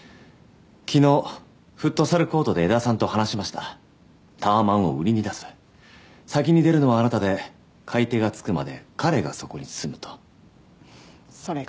昨日フットサルコートで江田さんと話しましたタワマンを売りに出す先に出るのはあなたで買い手がつくまで彼がそこに住むとそれが？